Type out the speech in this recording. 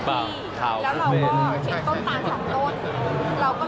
แล้วเราก็เห็นต้นตานสองต้นเราก็เลยลื้อออกเพราะต้นตานอยู่ตรงกลางที่